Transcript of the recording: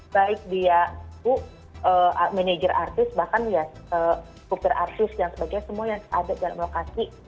baik dia bu manajer artis bahkan ya struktur artis dan sebagainya semua yang ada dalam lokasi